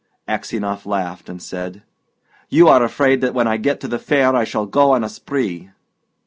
Aksionov laughed, and said, "You are afraid that when I get to the fair I shall go on a spree."